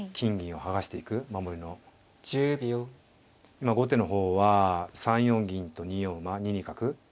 今後手の方は３四銀と２四馬２二角。